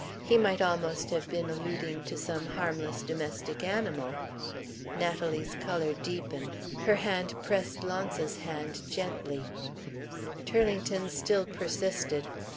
He might almost have been alluding to some harmless domestic animal. Natalie's color deepened. Her hand pressed Launce's hand gently. Turlington still persisted.